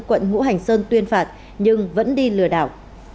quận ngũ hành sơn tuyên phạt nhưng vẫn đi lừa đảo